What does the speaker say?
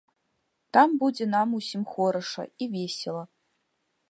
Там будзе нам усім хораша і весела.